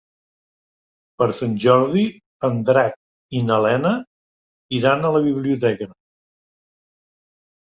Per Sant Jordi en Drac i na Lena iran a la biblioteca.